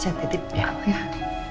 saya ke rumah